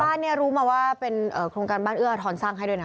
บ้านเนี่ยรู้มาว่าเป็นโครงการบ้านเอื้ออทรสร้างให้ด้วยนะ